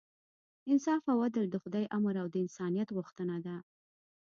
انصاف او عدل د خدای امر او د انسانیت غوښتنه ده.